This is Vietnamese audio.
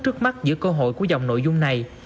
trước mắt giữa cơ hội của dòng nội dung này